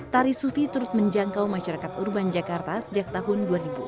tari sufi turut menjangkau masyarakat urban jakarta sejak tahun dua ribu